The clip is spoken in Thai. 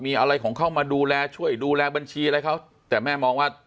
มีอะไรของเขามาดูแลช่วยดูแลบัญชีอะไรเขาแต่แม่มองว่า